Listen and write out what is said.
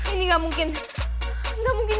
ini gak mungkin